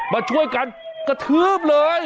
มาช่วยกันกระทืบเลย